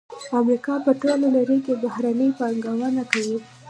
امریکا په ټوله نړۍ کې بهرنۍ پانګونه کوي